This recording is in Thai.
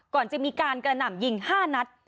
ก่อนจะมีการกระหน่ำยิง๕นัด